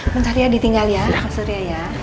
bentar ya ditinggal ya pak surya ya